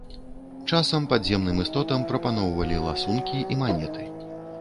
Часам падземным істотам прапаноўвалі ласункі і манеты.